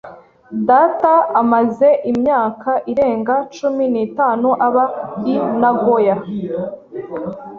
Data amaze imyaka irenga cumi n'itanu aba i Nagoya.